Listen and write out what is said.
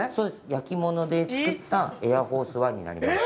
焼き物で作った「エアフォース１」になります。